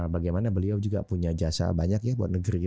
bagaimana beliau juga punya jasa banyak ya buat negeri